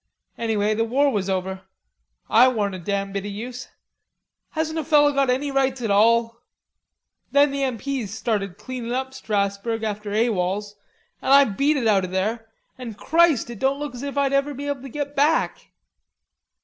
Anyway, the war was over. I warn't a damn bit of use.... Hasn't a fellow got any rights at all? Then the M.P.'s started cleanin' up Strasburg after A.W.O.L.'s, an' I beat it out of there, an' Christ, it don't look as if I'd ever be able to get back."